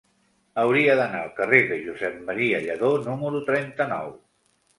Hauria d'anar al carrer de Josep M. Lladó número trenta-nou.